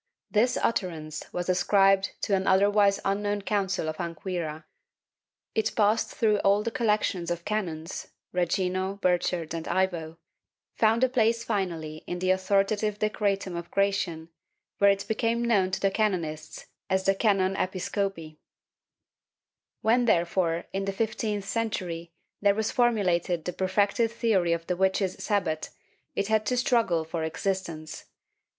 This utterance was ascribed to an otherwise unknown Council of Anquira; it passed through all the collections of canons— Regino, Burchard and Ivo — found a place finally in the authoritative Decretum of Gratian, where it became known to canonists as the canon Episcopi} When, therefore, in the fifteenth century, there was formulated the perfected theory of the witches' Sabbat, it had to struggle for existence.